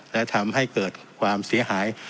และทำให้เกิดความเสียหาย